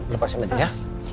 lepaskan dia ya